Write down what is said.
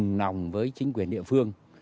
đã cùng nòng với chính quyền địa phương